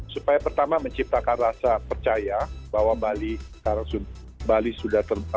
supaya pertama menciptakan rasa percaya bahwa bali sudah terbuka